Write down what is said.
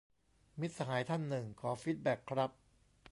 มิตรสหายท่านหนึ่ง : ขอฟีดแบ็กครับ